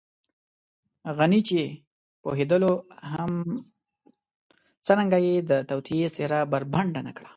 غني چې پوهېدلو هم څرنګه يې د توطیې څېره بربنډه نه کړه.